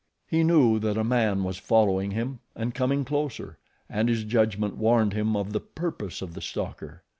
He knew that a man was following him and coming closer, and his judgment warned him of the purpose of the stalker.